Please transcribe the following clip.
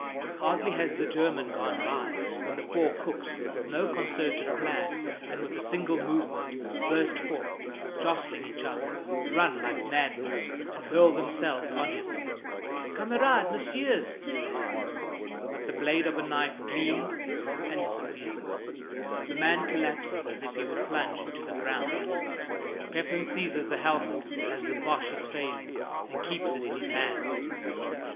Hardly has the German gone by when the four cooks, with no concerted plan and with a single movement, burst forth, jostling each other, run like madmen, and hurl themselves on him. "Kamerad, messieurs!" he says. But the blade of a knife gleams and disappears. The man collapses as if he would plunge into the ground. Pepin seizes the helmet as the Boche is failing and keeps it in his hand.